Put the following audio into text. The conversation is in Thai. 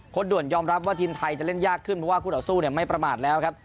ด่วนยอมรับว่าทีมไทยจะเล่นยากขึ้นเพราะว่าคู่ต่อสู้ไม่ประมาทแล้วครับ